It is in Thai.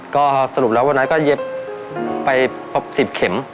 ก็สรุปแล้ววันนั้นก็เย็บไปครบ๑๐เข็ม